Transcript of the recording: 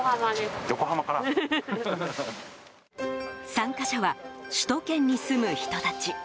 参加者は首都圏に住む人たち。